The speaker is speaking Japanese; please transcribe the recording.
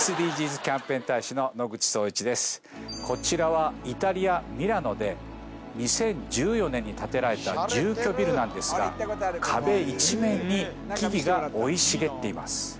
ですこちらはイタリアミラノで２０１４年に建てられた住居ビルなんですが壁一面に木々が生い茂っています